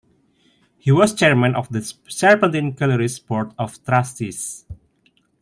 He was chairman of the Serpentine Gallery's board of trustees.